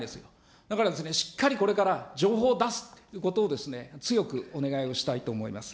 だからしっかりこれから情報を出すということを、強くお願いをしたいと思います。